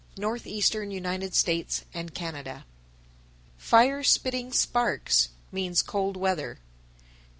Northeastern United States and Canada. 931. Fire spitting sparks means cold weather.